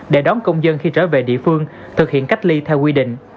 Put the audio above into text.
để đón công dân khi trở về địa phương thực hiện cách ly theo quy định